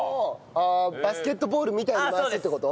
バスケットボールみたいに回すって事？